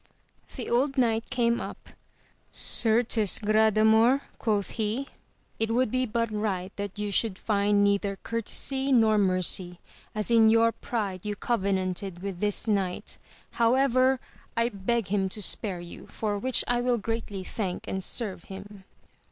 The old knight came up, Certes Gradamor, quoth he, it would be but right that you should find neither courtesy nor mercy, as in your pride you covenanted with this knight ; however I beg him to spare you, for which I will greatly thank and serve him.